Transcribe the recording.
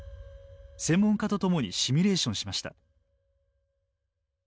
専門家と共にシミュレーションしました。